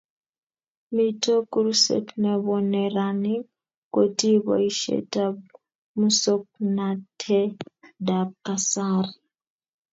mito kurset nebo neranik kotii boisietab musoknatedab kasari